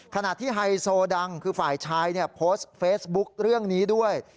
ขณะที่ไฮโซดังคือฝ่ายชายโพสต์เฟซบุ๊คเรื่องนี้ด้วย